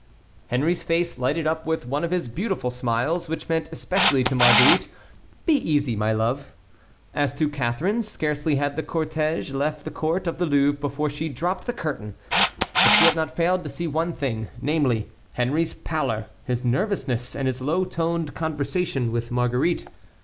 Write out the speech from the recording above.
Henry's face lighted up with one of his beautiful smiles, which meant especially to Marguerite, "Be easy, my love." As to Catharine, scarcely had the cortège left the court of the Louvre before she dropped the curtain. But she had not failed to see one thing, namely, Henry's pallor, his nervousness, and his low toned conversation with Marguerite.